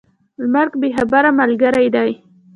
مرګ بې خبره ملګری دی.